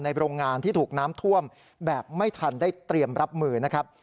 โรงงานที่ถูกน้ำท่วมแบบไม่ทันได้เตรียมรับมือนะครับ